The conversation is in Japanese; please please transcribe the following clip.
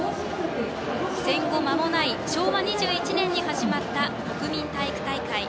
戦後間もない、昭和２１年に始まった国民体育大会。